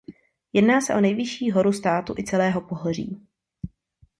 Jedná se o nejvyšší horu státu i celého pohoří.